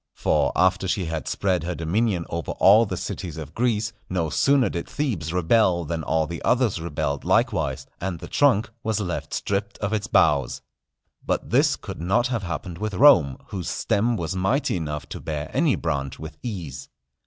For after she had spread her dominion over all the cities of Greece, no sooner did Thebes rebel than all the others rebelled likewise, and the trunk was left stripped of its boughs. But this could not have happened with Rome, whose stem was mighty enough to bear any branch with ease.